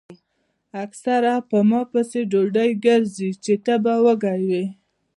اکثر پۀ ما پسې ډوډۍ ګرځئ چې تۀ به وږے ئې ـ